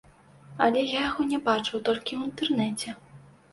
Але я яго не бачыў, толькі ў інтэрнэце.